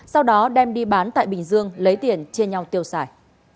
sau đó đem đi bán tại bình dương lấy tiền chia nhau tiêu xài